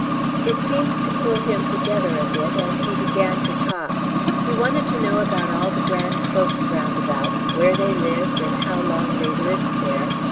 "It seemed to pull him together a bit, and he began to talk. He wanted to know about all the grand folks round about, where they lived and how long they'd lived there.